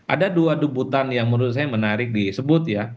ada dua debutan yang menurut saya menarik disebut ya